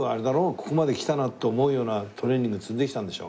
ここまで来たなと思うようなトレーニング積んできたんでしょ？